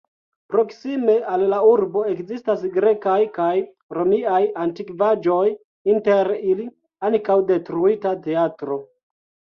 Proksime al la urbo ekzistas grekaj kaj romiaj antikvaĵoj, inter ili ankaŭ detruita teatro.